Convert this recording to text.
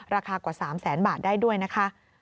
ราคากว่า๓แสนบาทได้ด้วยนะคะ